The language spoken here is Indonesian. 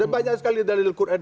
banyak sekali dari al quran